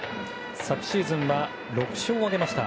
昨シーズンは６勝を挙げました。